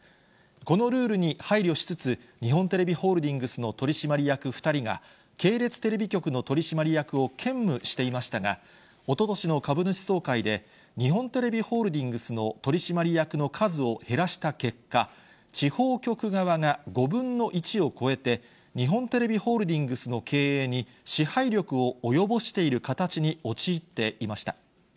このルールに配慮しつつ、日本テレビホールディングスの取締役２人が、系列テレビ局の取締役を兼務していましたが、おととしの株主総会で、日本テレビホールディングスの取締役の数を減らした結果、地方局側が５分の１を超えて、日本テレビホールディングスの経営に支配力を及ぼしている形に陥っていました。